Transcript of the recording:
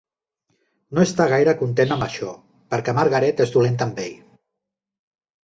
No està gaire content amb això, perquè Margaret és dolenta amb ell.